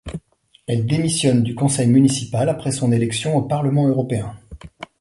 Elle démissionne du conseil municipal après son élection au Parlement européen.